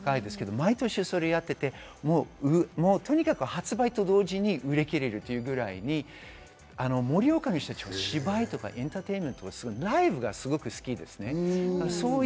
毎年それをやっていて、とにかく発売と同時に売り切れるというぐらいに、盛岡の人たちは芝居とかエンターテインメント、ライブがすごく好きです。